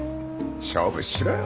勝負しろよ